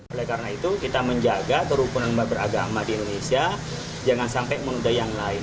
oleh karena itu kita menjaga kerukunan umat beragama di indonesia jangan sampai menunda yang lain